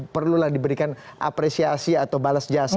perlulah diberikan apresiasi atau balas jasa